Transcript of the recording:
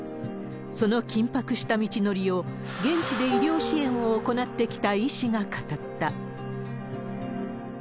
その緊迫した道のりを、現地で医療支援を行ってきた医師が語った。